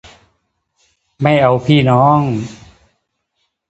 ไม่เอาพี่เอาน้อง